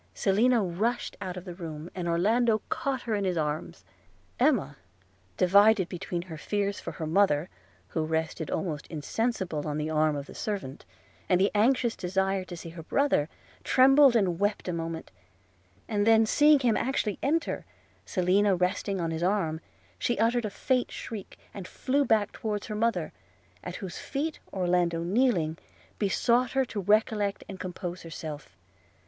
– Selina rushed out of the room, and Orlando caught her in his arms. Emma, divided between her fears for her mother, who rested almost insensible on the arm of the servant, and the anxious desire to see her brother, trembled and wept a moment; and then seeing him actually enter, Selina resting on his arm, she uttered a faint shriek, and flew back towards her mother, at whose feet Orlando kneeling, besought her to recollect and compose herself.